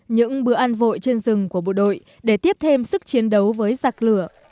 những bữa ăn vội trên rừng của bộ đội để tiếp thêm sức chiến đấu với giặc lửa